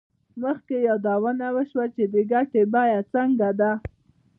مخکې یادونه وشوه چې د ګټې بیه څنګه ده